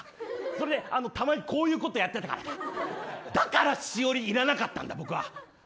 それで、たまにこういうことやってたらだからしおりいらなかったんだ僕は。